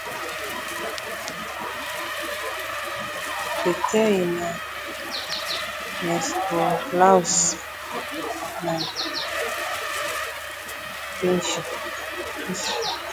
Detey na Nespoulous na Friesner